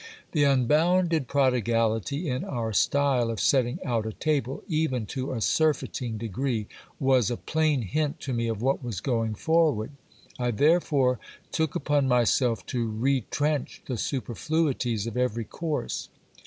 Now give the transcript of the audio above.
The unbounded prodigality in our style of setting out a table, even to a surfeiting degree, was a plain hint to me of what was going forward ; I therefore took upon myself to retrench the superfluities of every course.